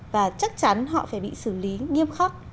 và chắc chắn họ phải bị xử lý nghiêm khắc